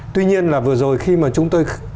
tuy nhiên là vừa rồi khi mà chúng tôi